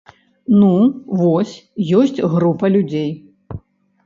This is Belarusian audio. Ну, вось, ёсць група людзей.